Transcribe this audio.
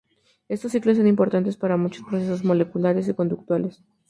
Estos ciclos son importantes para muchos procesos moleculares y conductuales.